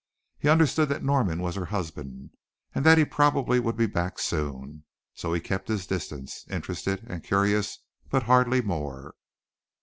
He understood that Norman was her husband and that he probably would be back soon. So he kept his distance interested and curious but hardly more.